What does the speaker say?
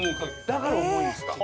だから重いんですか？